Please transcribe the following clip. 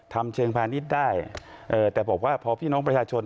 เชิงพาณิชย์ได้เอ่อแต่บอกว่าพอพี่น้องประชาชน